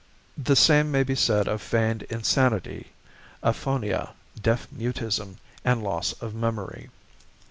The same may be said of feigned insanity, aphonia, deaf mutism, and loss of memory.